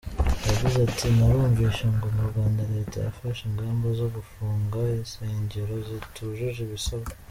Yagize ati “Narumvise ngo mu Rwanda Leta yafashe ingamba zo gufunga insengero zitujuje ibisabwa.